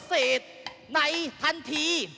เสาคำยันอาวุธิ